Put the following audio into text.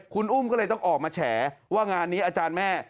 คุณอุ้มก็เลยต้องออกมาแฉว่างานนี้อาจารย์แม่